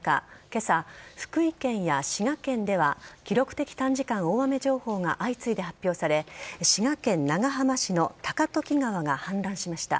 今朝、福井県や滋賀県では記録的短時間大雨情報が相次いで発表され滋賀県長浜市の高時川が氾濫しました。